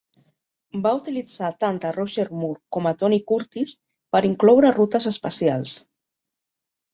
Va utilitzar tant a Roger Moore com a Tony Curtis per incloure rutes especials.